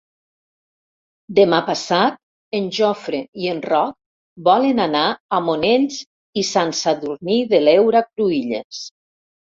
Demà passat en Jofre i en Roc volen anar a Monells i Sant Sadurní de l'Heura Cruïlles.